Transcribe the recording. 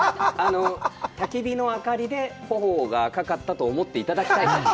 たき火の明かりで頬が赤かったと思っていただきたい。